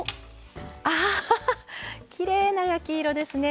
あきれいな焼き色ですね。